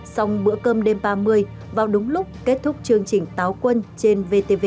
xong bữa cơm đêm ba mươi vào đúng lúc kết thúc chương trình táo quân trên vtv